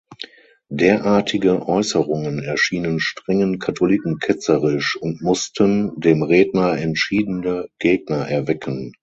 Derartige Äußerungen erschienen strengen Katholiken ketzerisch und mussten dem Redner entschiedene Gegner erwecken.